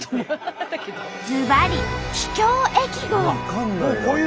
ずばり「秘境駅号」。